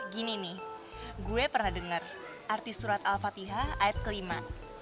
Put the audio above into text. gini nih gue pernah dengar artis surat al fatihah ayat kelima